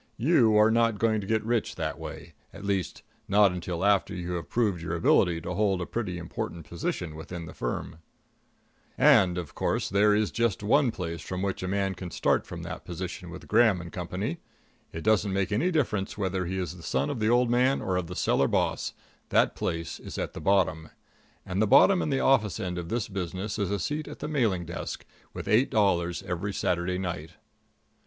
You are not going to get rich that way at least, not until after you have proved your ability to hold a pretty important position with the firm; and, of course, there is just one place from which a man can start for that position with Graham & Co. It doesn't make any difference whether he is the son of the old man or of the cellar boss that place is the bottom. And the bottom in the office end of this business is a seat at the mailing desk, with eight dollars every Saturday night.